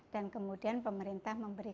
dan kemudian pemerintah memperbaiki